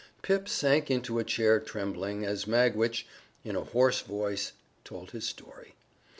Pip sank into a chair trembling as Magwitch, in a hoarse voice, told his story.